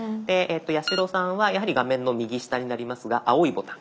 八代さんはやはり画面の右下になりますが青いボタン。